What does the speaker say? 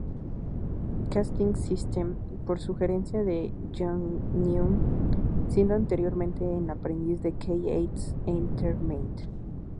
Casting System", por sugerencia de Jonghyun, siendo anteriormente un aprendiz de Key East Entertainment.